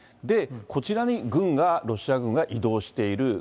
で、こちらに軍が、ロシア軍が移動している。